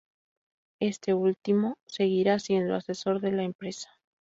Este último seguirá siendo asesor de la empresa.